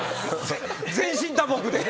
全身打撲で。